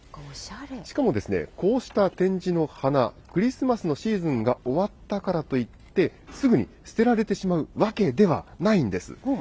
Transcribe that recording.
しかもこうした展示の花、クリスマスのシーズンが終わったからといって、すぐに捨てられてしまうわけではないんです。